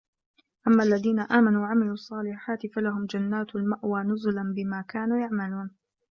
أَمَّا الَّذينَ آمَنوا وَعَمِلُوا الصّالِحاتِ فَلَهُم جَنّاتُ المَأوى نُزُلًا بِما كانوا يَعمَلونَ